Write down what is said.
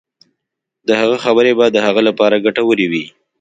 د هغه خبرې به د هغه لپاره ګټورې وي.